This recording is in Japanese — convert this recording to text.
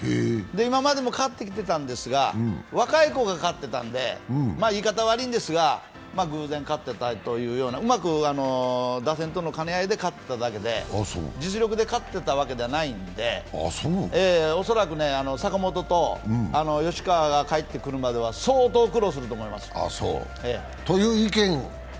今までも勝ってきてたんですが若い子が勝ってたんで言い方は悪いんですが、偶然勝ってたというような、うまく打線との兼ね合いで勝っていただけで実力で勝ってたわけじゃないんで坂本と吉川が帰ってくるまでは相当苦労すると思いますよ。